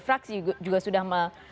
fraksi juga sudah